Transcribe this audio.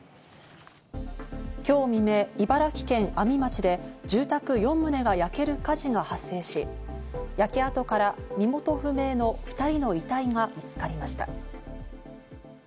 今日未明、茨城県阿見町で住宅４棟が焼ける火事が発生し、焼け跡から身元不明の２人の遺体が見つかりました。